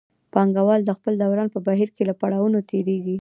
پانګوال د خپل دوران په بهیر کې له پړاوونو تېرېږي